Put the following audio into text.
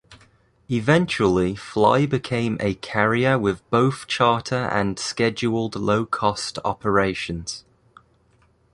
Eventually Fly became a carrier with both charter and scheduled low-cost operations.